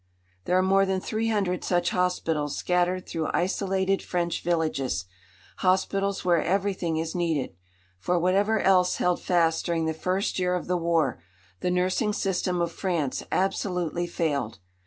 There are more than three hundred such hospitals scattered through isolated French villages, hospitals where everything is needed. For whatever else held fast during the first year of the war, the nursing system of France absolutely failed.